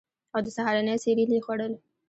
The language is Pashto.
او د سهارنۍ سیریل یې خوړل